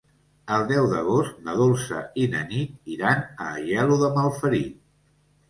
El deu d'agost na Dolça i na Nit iran a Aielo de Malferit.